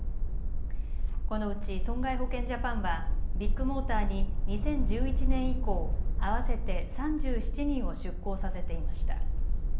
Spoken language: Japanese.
このうち損害保険ジャパンはビッグモーターに２０１１年以降合わせて３７人を出向させていました。